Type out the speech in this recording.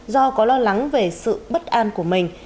do có lo lắng về sự bất an của mình